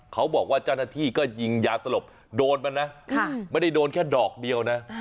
เขาบอกว่าเจ้าหน้าที่ก็ยิงยาสลบโดนมันนะไม่ได้โดนแค่ดอกเดียวนะ